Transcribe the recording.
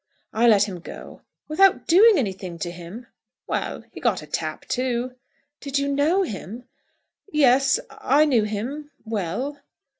"I let him go." "Without doing anything to him?" "Well; he got a tap too." "Did you know him?" "Yes, I knew him, well."